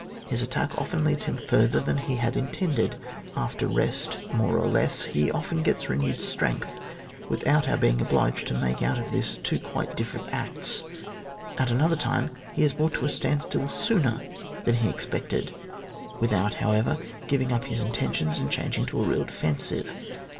His attack often leads him further than he had intended ; after rest more or less, he often gets renewed strength, without our being obliged to make out of this two quite different acts ; at another time he is brought to a standstill sooner than he expected, with out, however, giving up his intentions, and changing to a real defensive.